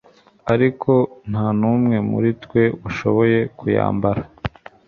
ariko nta numwe muri twe washoboye kuyambara